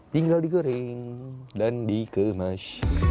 tinggal digoreng dan dikemas